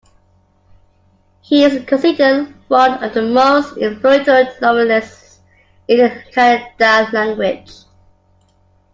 He is considered one of the most influential novelists in the Kannada language.